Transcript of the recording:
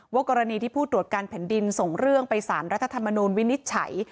กรณีที่ผู้ตรวจการแผ่นดินส่งเรื่องไปสารรัฐธรรมนูลวินิจฉัย